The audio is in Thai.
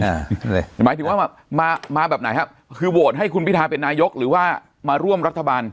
หมายถึงว่ามามาแบบไหนครับคือโหวตให้คุณพิทาเป็นนายกหรือว่ามาร่วมรัฐบาล